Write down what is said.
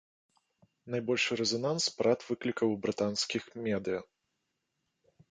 Найбольшы рэзананс парад выклікаў у брытанскіх медыя.